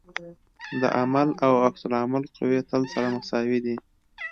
د عمل او عکس العمل قوې تل سره مساوي دي.